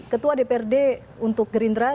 ketua dprd untuk gerindra